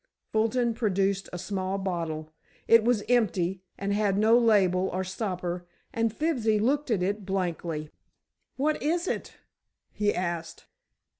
Fulton produced a small bottle. It was empty and had no label or stopper, and Fibsy looked at it blankly. "What is it?" he asked.